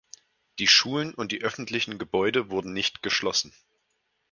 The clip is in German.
Die Schulen und die öffentlichen Gebäude wurden nicht geschlossen.